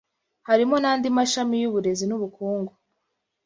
harimo n’andi mashami y’uburezi n’ubukungu